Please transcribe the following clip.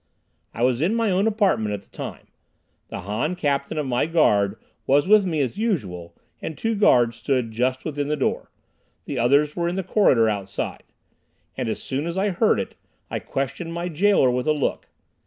I was in my own apartment at the time. The Han captain of my guard was with me, as usual, and two guards stood just within the door. The others were in the corridor outside. And as soon as I heard it, I questioned my jailer with a look.